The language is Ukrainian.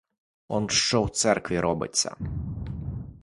Он що в церкві робиться!